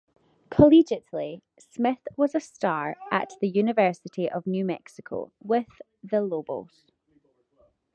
Collegiately, Smith was a star at the University of New Mexico, with the Lobos.